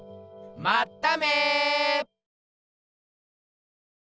まっため！